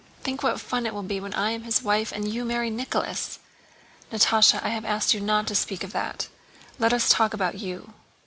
Think what fun it will be when I am his wife and you marry Nicholas!" "Natásha, I have asked you not to speak of that. Let us talk about you."